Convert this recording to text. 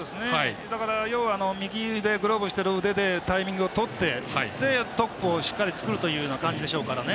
だから右でグローブしてる腕でタイミングをとってトップをしっかり作るというような感じでしょうから。